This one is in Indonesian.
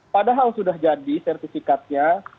padahal sudah jadi sertifikatnya